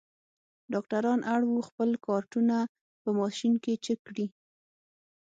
ډاکټران اړ وو خپل کارټونه په ماشین کې چک کړي.